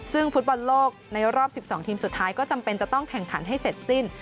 ซึ่งฟุตบอลโลกในรอบ๑๒ทีมสุดท้ายก็จำเป็นจะต้องแข่งขันให้เสร็จสิ้น